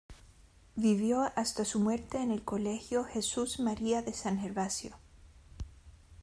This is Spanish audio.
Vivió hasta su muerte en el Colegio Jesús-María de San Gervasio.